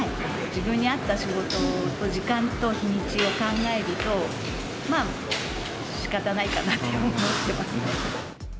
自分に合った仕事と時間と日にちを考えると、まあしかたないかなって思ってますね。